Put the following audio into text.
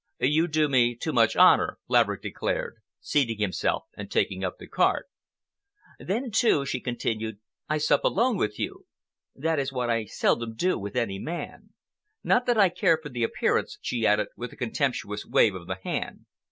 "You do me too much honor," Laverick declared, seating himself and taking up the carte. "Then, too," she continued, "I sup alone with you. That is what I seldom do with any man. Not that I care for the appearance," she added, with a contemptuous wave of the hand.